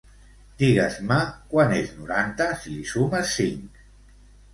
Digues-me quant és noranta si li sumes cinc.